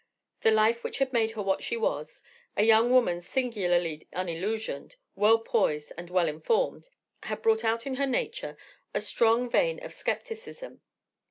The life which had made her what she was, a young woman singularly unillusioned, well poised, and well informed, had brought out in her nature a strong vein of scepticism.